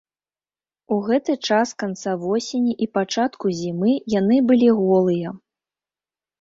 У гэты час канца восені і пачатку зімы яны былі голыя.